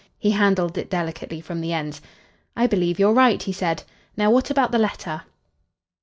He handled it delicately from the ends. "I believe you're right," he said. "Now, what about the letter?"